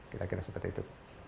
kita kira seperti itu